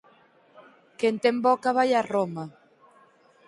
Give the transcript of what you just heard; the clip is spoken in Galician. Quen ten boca vai a Roma.